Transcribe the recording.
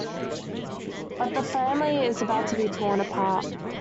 But the family is about to be torn apart.